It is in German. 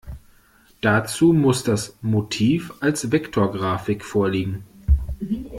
Dazu muss das Motiv als Vektorgrafik vorliegen.